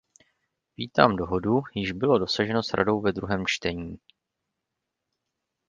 Vítám dohodu, jíž bylo dosaženo s Radou ve druhém čtení.